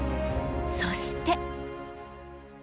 そして。